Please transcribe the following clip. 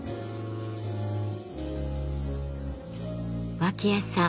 脇屋さん